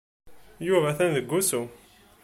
Yuba atan deg wusu.